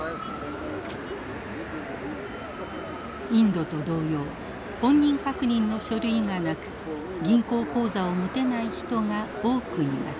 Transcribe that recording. インドと同様本人確認の書類がなく銀行口座を持てない人が多くいます。